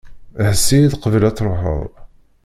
Hess-iyi-d qbel ad truḥeḍ.